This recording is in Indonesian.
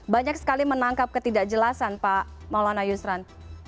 banyak sekali menangkap ketidakjelasan pak maulana yusran